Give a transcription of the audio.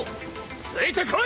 ついてこい！